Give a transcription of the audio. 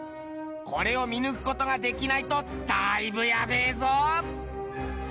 これを見抜く事ができないとだいぶやべえぞ。